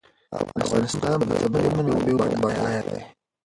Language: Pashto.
افغانستان په طبیعي منابعو بډای دی.